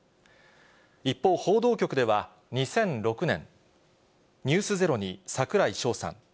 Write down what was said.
一方、報道局では、２００６年、ｎｅｗｓｚｅｒｏに櫻井翔さん。